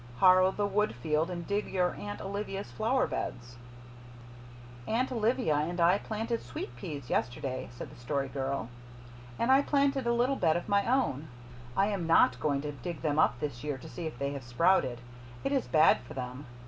"Harrow the wood field and dig your Aunt Olivia's flower beds." "Aunt Olivia and I planted sweet peas yesterday," said the Story Girl, "and I planted a little bed of my own. I am NOT going to dig them up this year to see if they have sprouted. It is bad for them.